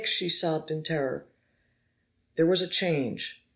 she sobbed in terror. There was a change.